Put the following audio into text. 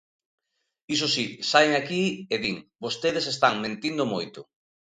Iso si, saen aquí e din: vostedes están mentindo moito.